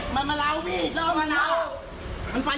แล้วมาแล้วมันตามมาทำไม